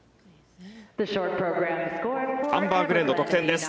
アンバー・グレンの得点です。